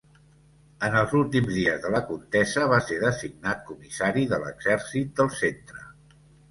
En els últims dies de la contesa va ser designat comissari de l'Exèrcit del Centre.